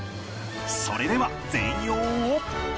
それでは全容を